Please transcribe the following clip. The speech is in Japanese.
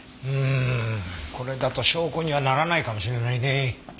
うーんこれだと証拠にはならないかもしれないね。